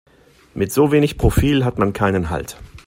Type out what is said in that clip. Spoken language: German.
Mit so wenig Profil hat man keinen Halt.